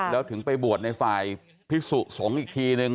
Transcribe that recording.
แล้วถึงไปบวชในฝ่ายพิสุสงฆ์อีกทีนึง